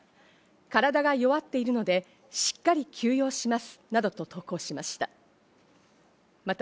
体が弱っているのでしっかり休養しますなどと投稿しました。